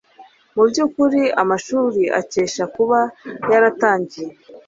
muby’ukuri amashuri akesha kuba yaratangiye